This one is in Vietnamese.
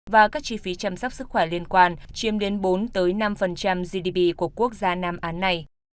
và các chi phí chăm sóc sức khỏe liên quan chiếm đến bốn năm gdp của quốc gia nam á này